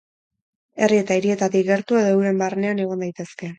Herri eta hirietatik gertu edo euren barnean egon daitezke.